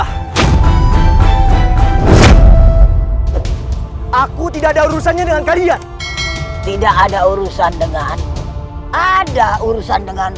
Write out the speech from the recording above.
kau tidak ada waktu untuk meladenimu bocah kecil